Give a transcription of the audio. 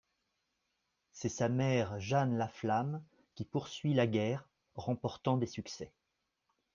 C'est sa mère Jeanne la Flamme qui poursuit la guerre, remportant des succès.